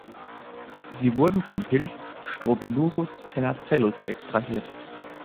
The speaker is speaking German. Sie wurden vom Pilz „Strobilurus tenacellus“ extrahiert.